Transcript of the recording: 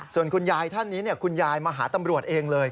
ส่วนคุณยายท่านนี้คุณยายมาหาตำรวจเองเลย